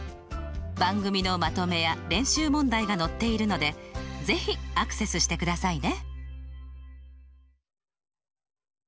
番組のまとめや練習問題が載っているので是非アクセスしてくださいね！